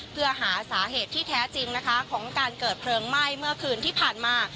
เพื่อหาสาเหตุที่แท้จริงนะคะของการเกิดเพลิงไหม้เมื่อคืนที่ผ่านมา